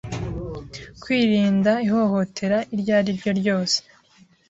Kwirinda ihohotera iryo ari ryo ryose